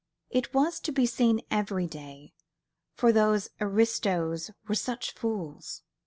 It was to be seen every day, for those aristos were such fools!